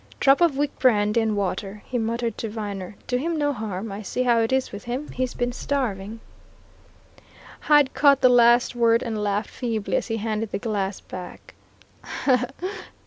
"Drop of weak brandy and water," he muttered to Viner. "Do him no harm I see how it is with him he's been starving." Hyde caught the last word and laughed feebly as he handed the glass back.